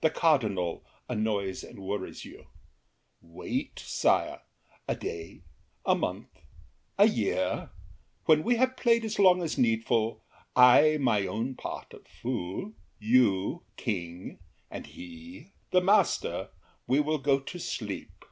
The Cardinal annoys And wearies you. Wait, sire! A day, a month, A year; when we have played as long as needful— I, my own part of fool; you, king; and he, The master—we will go to sleep.